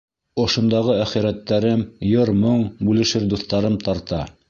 — Ошондағы әхирәттәрем, йыр-моң бүлешер дуҫтарым тарта.